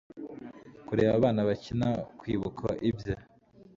kureba abana bakina, kwibuka ibye